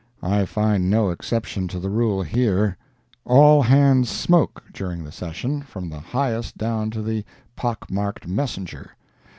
I find no exception to the rule here. All hands smoke during the session, from the highest down to the pock marked messenger.